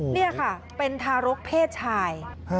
นี่ค่ะเป็นทารกเพศชาย